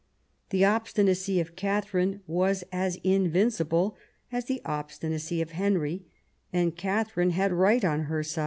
The obstinacy of Katharine was as invincible as the obstinacy of Henry ; and Kath arine had right on her side.